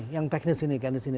yang teknis ini kan di sini